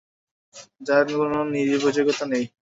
যার কোন নির্ভরযোগ্যতা নেই।